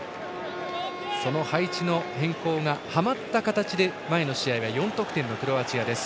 その配置の変更がはまった形で前の試合は４得点のクロアチアです。